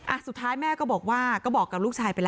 สุดท้ายแม่ก็บอกว่าก็บอกกับลูกชายไปแล้ว